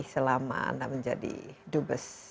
selama anda menjadi dubes